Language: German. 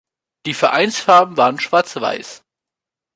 Die Vereinsfarben waren schwarz-weiß.